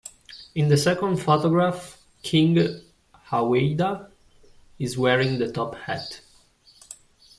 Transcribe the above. In the second photograph, King Aweida is wearing the top hat.